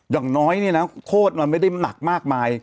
อย่างน้อยเนี่ยนะโทษมันไม่ได้หนักมากมาย